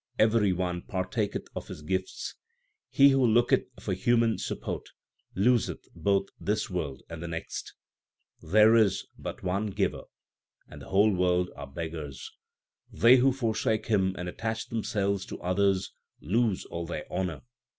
Every one partaketh of His Gifts. (He who looketh for human support Loseth both this world and the next. ^There is but one Giver, the whole world are beggars. They who forsake Him and attach themselves to others lose all their honour.